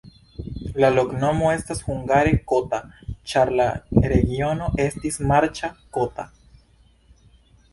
La loknomo estas hungare kota, ĉar la regiono estis marĉa, kota.